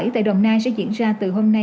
tại đồng nai sẽ diễn ra từ hôm nay